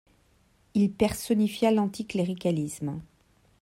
Il personnifia l'anticléricalisme.